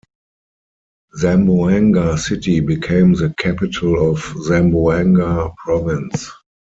Zamboanga City became the capital of Zamboanga province.